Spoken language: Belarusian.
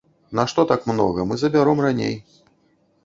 Нашто так многа, мы забяром раней.